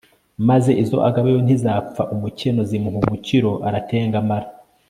maze izo agabiwe ntizapfa umukeno zimuha umukiro aratengamara